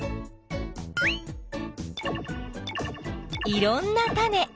いろんなタネ。